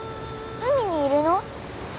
海にいるの？